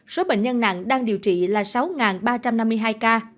số bệnh nhân nặng đang điều trị là sáu ba trăm năm mươi hai ca